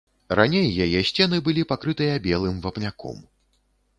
Раней яе сцены былі пакрытыя белым вапняком.